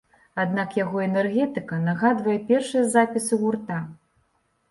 Аднак яго энергетыка нагадвае першыя запісы гурта.